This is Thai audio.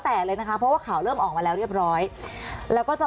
แต่เลยนะคะเพราะว่าข่าวเริ่มออกมาแล้วเรียบร้อยแล้วก็จะ